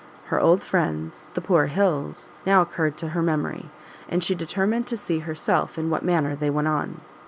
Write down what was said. Her old friends, the poor Hills, now occurred to her memory, and she determined to see herself in what manner they went on.